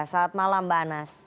selamat malam mbak anas